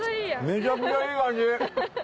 めちゃくちゃいい感じ！